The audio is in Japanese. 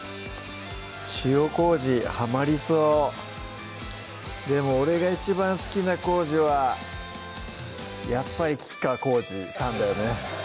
塩麹はまりそうでも俺が一番好きな「こうじ」はやっぱり吉川晃司さんだよね